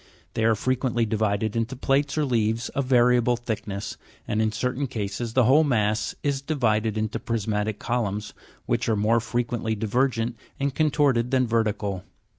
They are frequently divided into plates or leaves of variable thickness, and in certain cases the whole mass is divided into prismatic columns, which are more frequently divergent and contorted than vertical.